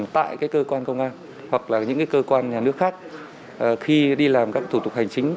tại cơ quan công an hoặc là những cơ quan nhà nước khác khi đi làm các thủ tục hành chính